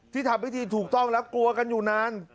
ทำพิธีถูกต้องแล้วกลัวกันอยู่นาน